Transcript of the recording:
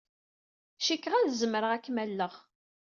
Cikkeɣ ad zemreɣ ad kem-alleɣ.